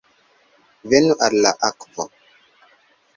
Venu al la akvo!